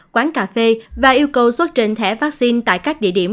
quán cà phê và yêu cầu xuất trình thẻ vaccine tại các địa điểm